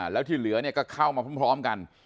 แล้วที่เหลือก็เข้ามาพร้อมกัน